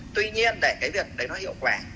tuy nhiên để cái việc đấy nó hiệu quả